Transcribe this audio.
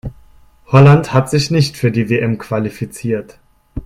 Holland hat sich nicht für die WM qualifiziert.